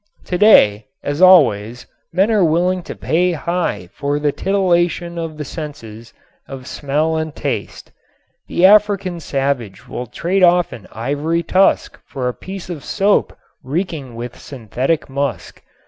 Today, as always, men are willing to pay high for the titillation of the senses of smell and taste. The African savage will trade off an ivory tusk for a piece of soap reeking with synthetic musk.